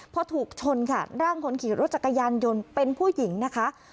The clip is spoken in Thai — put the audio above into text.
พอถูกชนค่ะร่างคนขี่รถจักรยานยนต์เป็นผู้หญิงนะคะ